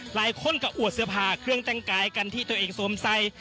หลายคนก็อวดเสื้อผ้าเครื่องแต่งกายกันที่ตัวเองสวมใส่